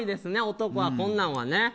男はこんなのはね。